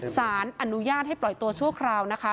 สารอนุญาตให้ปล่อยตัวชั่วคราวนะคะ